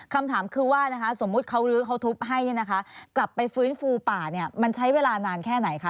คำถามคือว่าสมมุติเขาลื้อเขาทุบให้กลับไปฟื้นฟูป่าเนี่ยมันใช้เวลานานแค่ไหนคะ